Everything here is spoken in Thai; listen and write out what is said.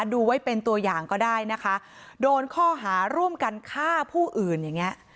ดูไว้เป็นตัวอย่างก็ได้นะคะโดนข้อหาร่วมกันฆ่าผู้อื่นอย่างเงี้ย